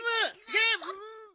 ゲーム。